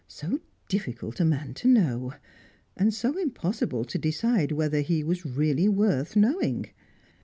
So difficult a man to know! And so impossible to decide whether he was really worth knowing!